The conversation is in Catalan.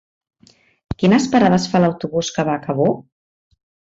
Quines parades fa l'autobús que va a Cabó?